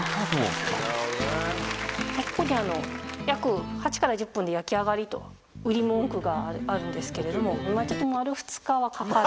ここに「約８１０分で焼き上がり」と売り文句があるんですけれども。